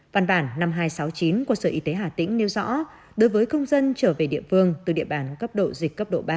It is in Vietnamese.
văn bản năm nghìn hai trăm sáu mươi chín của sở y tế hà tĩnh nêu rõ đối với công dân trở về địa phương từ địa bàn cấp độ dịch cấp độ ba